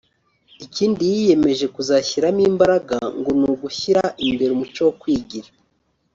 Ikindi yiyemeje kuzashyiramo imbaraga ngo ni ugushyira imbere umuco wo kwigira